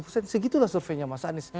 segitulah surveinya mas anies